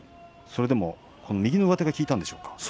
それでも右の上手が効いたんでしょうか？